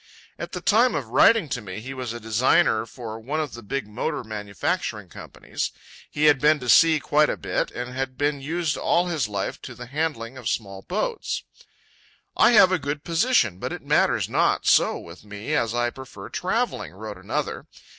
At the time of writing to me he was a designer for one of the big motor manufacturing companies; he had been to sea quite a bit, and had been used all his life to the handling of small boats. "I have a good position, but it matters not so with me as I prefer travelling," wrote another.